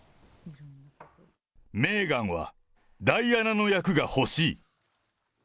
メーガンはダイアナの役が欲しい。